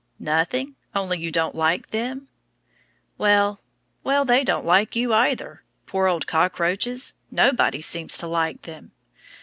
Nothing, only you don't like them? Well, well, they don't like you, either. Poor old cockroaches; nobody seems to like them.